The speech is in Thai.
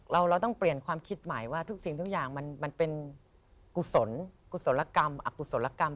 เราต้องเปลี่ยนความคิดใหม่ว่าทุกสิ่งทุกอย่างมันเป็นกุศลกรรม